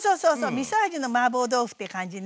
みそ味のマーボー豆腐って感じね。